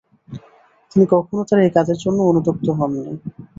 তিনি কখনো তার এই কাজের জন্য অনুতপ্ত হননি।